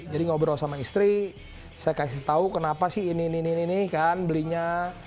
jadi ngobrol sama istri saya kasih tau kenapa sih ini ini ini kan belinya